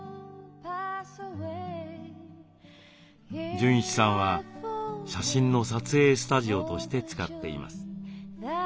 純一さんは写真の撮影スタジオとして使っています。